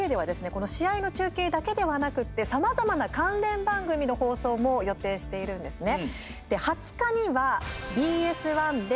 この試合の中継だけではなくてさまざまな関連番組の放送も予定しているんですね。